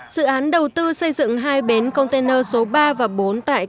sự án đầu tư xây dựng hai bến container số ba và bốn tại cảng hải phòng